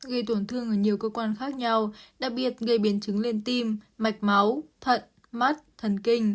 gây tổn thương ở nhiều cơ quan khác nhau đặc biệt gây biến chứng lên tim mạch máu thận mắt thần kinh